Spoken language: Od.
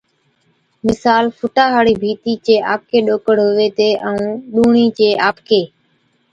مثال، فُٽا هاڙِي ڀِيتي چي آپڪي ڏوڪڙ هُوي هِتي ائُون ڏُوڻِي چي آپڪي،